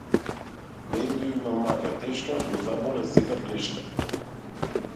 Медо има мака тешка го заболе сета плешка.